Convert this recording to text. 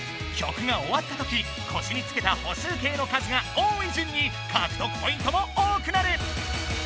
きょくがおわったときこしにつけた歩数計の数が多い順にかくとくポイントも多くなる！